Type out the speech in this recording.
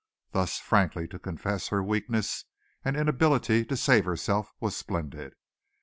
Thus frankly to confess her weakness and inability to save herself was splendid.